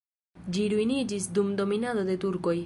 Ĝi ruiniĝis dum dominado de turkoj.